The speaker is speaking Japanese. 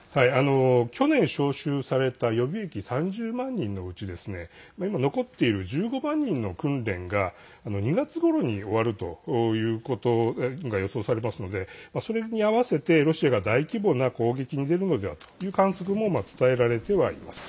去年、招集された予備役３０万人のうち今、残っている１５万人の訓練が２月ごろに終わるということが予想されますのでそれに合わせてロシアが大規模な攻撃に出るのではという観測も伝えられてはいます。